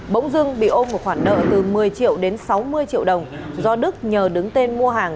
bỗng dưng bị ôm một khoản nợ từ một mươi triệu đến sáu mươi triệu đồng do đức nhờ đứng tên mua hàng